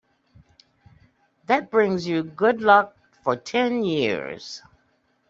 That brings you good luck for ten years.